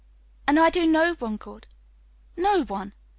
And I do no one good no one."